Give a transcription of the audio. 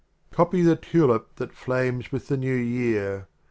Copy the Tulip that flames with the New Year.